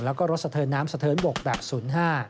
แล้วก็รถสะเทินน้ำสะเทินบกแบบ๐๕